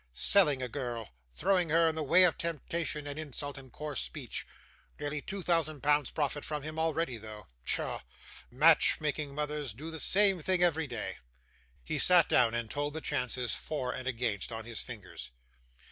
Selling a girl throwing her in the way of temptation, and insult, and coarse speech. Nearly two thousand pounds profit from him already though. Pshaw! match making mothers do the same thing every day.' He sat down, and told the chances, for and against, on his fingers.